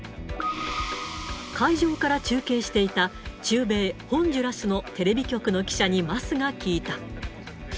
会場から中継していた、中米ホンジュラスのテレビ局の記者に桝が聞いた。